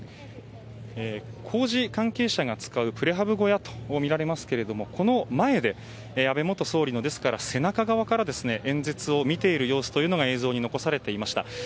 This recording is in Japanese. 工事関係者が使うプレハブ小屋とみられますがこの前で安倍元総理の背中側から演説を見ている様子というのが映像に残されていました。